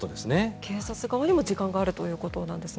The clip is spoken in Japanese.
警察側にも時間があるということなんですね。